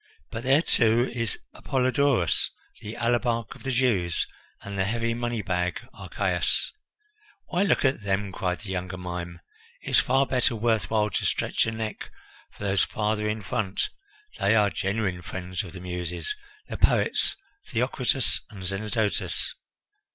"But there, too, is Apollodorus, the alabarch of the Jews, and the heavy money bag Archias " "Why look at them!" cried the younger mime. "It's far better worth while to stretch your neck for those farther in front. They are genuine friends of the Muses the poets Theocritus and Zenodotus."